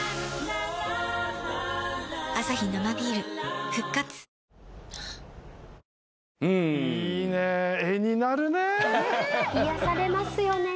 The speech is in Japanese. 「アサヒ生ビール復活」癒やされますよね。